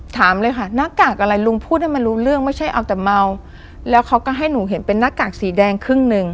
ถามเลยค่ะหน้ากากอะไรลุงพูดให้มันรู้เรื่องไม่ใช่เอาแต่เมาแล้วเขาก็ให้หนูเห็นเป็นหน้ากากสีแดงครึ่งหนึ่ง